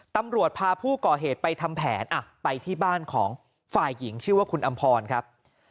ตำรวจพาผู้ก่อเหตุไปทำแผนไปที่บ้านของฝ่ายหญิงชื่อว่าคุณอำพรครับ